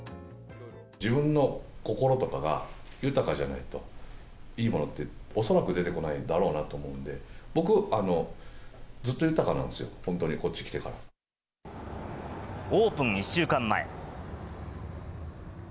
自分の心とかが豊かじゃないと、いいものって、恐らく出てこないだろうと思うので、僕、ずっと豊かなんですよ、オープン１週間前。